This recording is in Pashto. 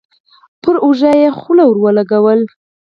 پر اوږه يې خوله ور ولګوله.